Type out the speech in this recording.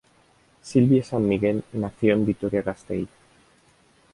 Silvia San Miguel nació en Vitoria-Gasteiz.